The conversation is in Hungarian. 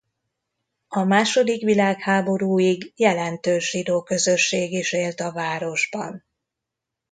A második világháborúig jelentős zsidó közösség is élt a városban.